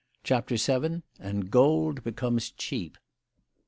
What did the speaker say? CHAPTER VII. AND GOLD BECOMES CHEAP.